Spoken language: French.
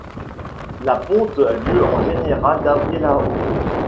La ponte a lieu en général d'avril à août.